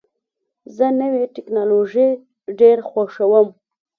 زه نوې ټکنالوژۍ ډېر خوښوم.